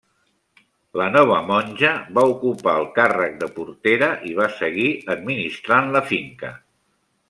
La nova monja va ocupar el càrrec de portera i va seguir administrant la finca.